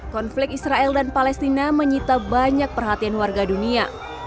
konflik israel dan palestina menyita banyak perhatian warga dunia